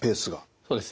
そうですね。